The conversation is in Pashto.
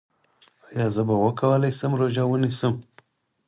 ایا زه به وکولی شم روژه ونیسم؟